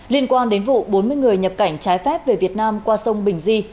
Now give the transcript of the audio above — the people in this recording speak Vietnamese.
liên quan đến vụ bốn mươi người nhập cảnh trái phép về việt nam qua sông bình di